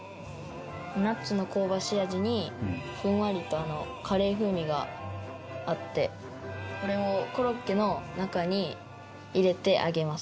ナッツの香ばしい味にふんわりとカレー風味があってこれをコロッケの中に入れて揚げます。